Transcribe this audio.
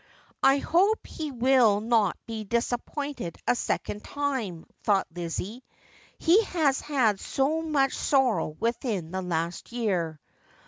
' I hope he will not be disappointed a second time,' thought Lizzie. ' He has had so much sorrow within the last year.'